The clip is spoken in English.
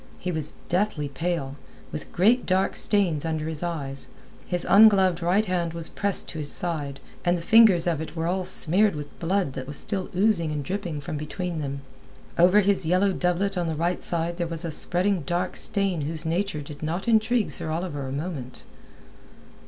He was deathly pale, with great dark stains under his eyes; his ungloved right hand was pressed to his side, and the fingers of it were all smeared with blood that was still oozing and dripping from between them. Over his yellow doublet on the right side there was a spreading dark stain whose nature did not intrigue Sir Oliver a moment.